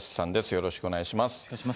よろしくお願いします。